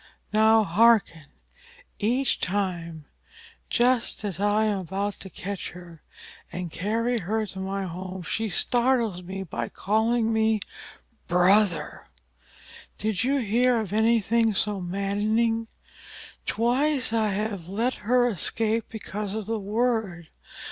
Now hearken: each time, just as I am about to catch her and carry her to my home she startles me by calling me 'Brother.' Did you ever hear of anything so maddening? Twice I have let her escape because of the word.